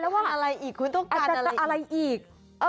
อะไรอีกคุณต้องการอะไรอีก